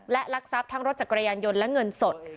และลักทรัพย์ทั้งรถจักรยานยนต์และเงินสด